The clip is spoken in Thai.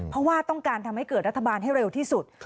เพราะว่าต้องการทำให้เกิดรัฐบาลให้เร็วที่สุด